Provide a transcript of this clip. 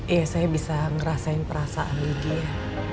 ya saya bisa ngerasain perasaan di dia